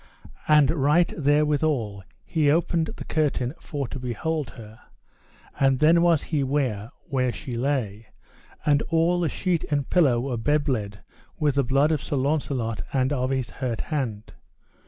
And right therewithal he opened the curtain for to behold her; and then was he ware where she lay, and all the sheet and pillow was bebled with the blood of Sir Launcelot and of his hurt hand.